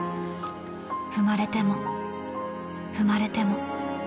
踏まれても踏まれても。